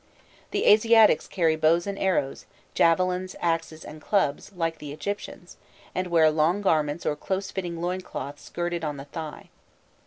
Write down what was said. The Asiatics carry bows and arrows, javelins, axes, and clubs, like the Egyptians, and wear long garments or close fitting loin cloths girded on the thigh.